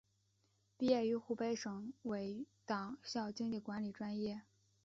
毕业于湖北省委党校经济管理专业。